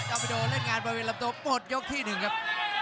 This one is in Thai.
ตอบิโดเล่นงานบรรเวียนลำโตหมดยกที่หนึ่งครับ